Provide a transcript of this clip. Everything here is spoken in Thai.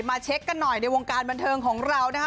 เช็คกันหน่อยในวงการบันเทิงของเรานะคะ